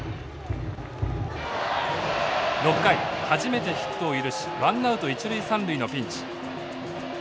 ６回初めてヒットを許しワンナウト一塁三塁のピンチ。